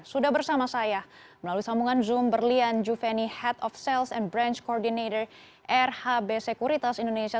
sudah bersama saya melalui sambungan zoom berlian juveni head of sales and branch coordinator rhb sekuritas indonesia